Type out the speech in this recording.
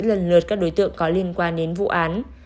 lần lượt các đối tượng có liên quan đến vụ án